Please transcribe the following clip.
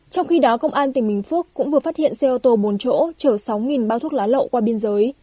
trong khi đó công an tỉnh bình phước cũng vừa phát hiện xe ô tô bốn chỗ chở sáu bao thuốc lá lậu qua biên giới